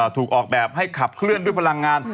ถูกออกแบบให้ขับเคลื่อนด้วยพลังงาน